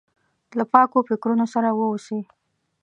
له پاکو فکرونو سره واوسي.